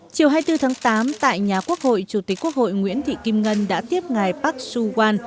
chiều hai mươi bốn tháng tám tại nhà quốc hội chủ tịch quốc hội nguyễn thị kim ngân đã tiếp ngài park su wan